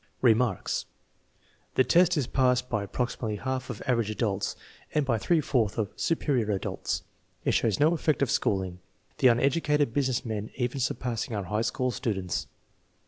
Remarks. The test is passed by approximately half of " average adults " and by three fourths of " superior adults/* It shows no effect of schooling, the uneducated business men even surpassing our high school students.